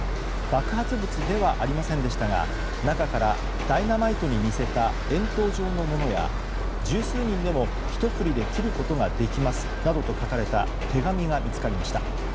爆発物ではありませんでしたが中からダイナマイトに似せた円筒状のものや十数人でも、ひと振りで切ることができますなどと書かれた手紙が見つかりました。